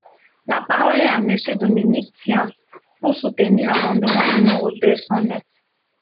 La parole est à Monsieur Dominique Tian, pour soutenir l’amendement numéro deux cent neuf.